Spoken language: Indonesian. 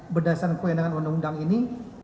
berdasarkan kewenangan undang undang ini